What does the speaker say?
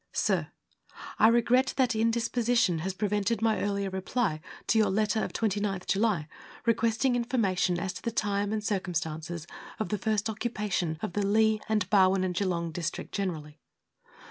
I regret that indisposition has prevented my earlier reply to your letter of 29th July, requesting " information as to the time and circumstances of the first occupation of the Leigh and Barwon and Geelong district generally."